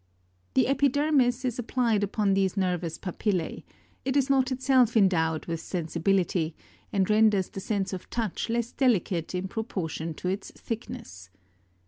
13. The epidermis is applied upon these nervous papillae: it is not itself endowed with sensibility, and renders the sense of touch less delicate in proportion to its thickness.